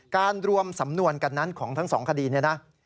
รวมสำนวนกันนั้นของทั้งสองคดีนี้นะ